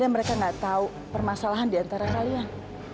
berani sekali kalian